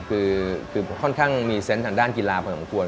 คือค่อนข้างมีเซนต์ทางด้านกีฬาพอสมควร